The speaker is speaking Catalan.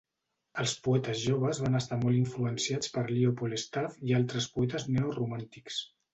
Els poetes joves van estar molt influenciats per Leopold Staff i altres poetes neoromàntics.